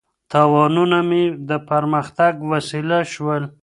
تاوانونه مې د پرمختګ وسیله شول.